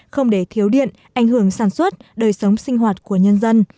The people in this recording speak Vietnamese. không để thiếu điện ảnh hưởng sản xuất đời sống sinh hoạt của nhân dân